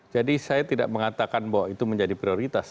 jadi saya tidak mengatakan bahwa itu menjadi prioritas